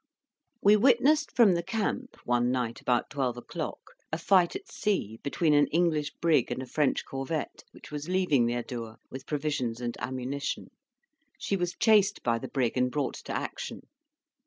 We witnessed from the camp, one night about twelve o'clock, a fight at sea, between an English brig and a French corvette, which was leaving the Adour with provisions and ammunition. She was chased by the brig, and brought to action.